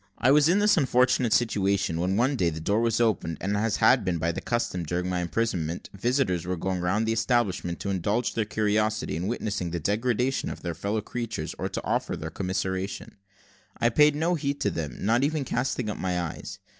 I was in this unfortunate situation, when one day the door was opened, and, as had been often the custom during my imprisonment, visitors were going round the establishment, to indulge their curiosity, in witnessing the degradation of their fellow creatures, or to offer their commiseration. I paid no heed to them, not even casting up my eyes.